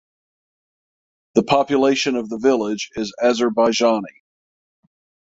The population of the village is Azerbaijani.